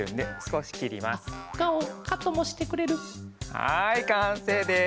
はいかんせいです！